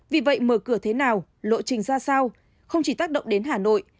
vì vậy mở cửa thế nào lộ trình ra sao không chỉ tác động đến hà nội